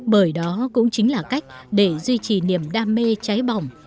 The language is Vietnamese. bởi đó cũng chính là cách để duy trì niềm đam mê cháy bỏng